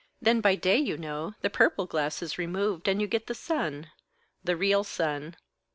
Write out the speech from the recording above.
Then, by day, you know, the purple glass is removed, and you get the sun the real sun.